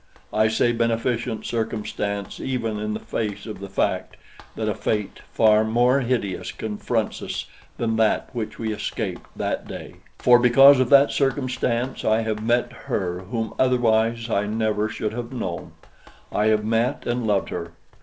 I say beneficent circumstance even in the face of the fact that a fate far more hideous confronts us than that which we escaped that day; for because of that circumstance I have met her whom otherwise I never should have known; I have met and loved her.